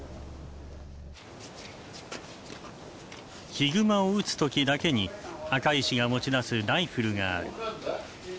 ヒグマを撃つ時だけに赤石が持ち出すライフルがある。